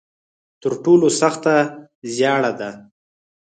تر ټولو سخته زیاړه ده.